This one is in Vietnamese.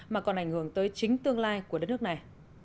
mà còn ảnh hưởng tới chính tương lai của đất nước này